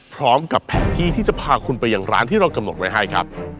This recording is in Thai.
พร้อมกับแผนที่ที่จะพาคุณไปอย่างร้านที่เรากำหนดไว้ให้ครับ